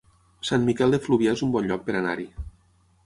Sant Miquel de Fluvià es un bon lloc per anar-hi